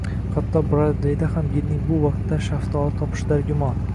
Hatto Brodveyda ham yilning bu vaqtida shaftoli topish dargumon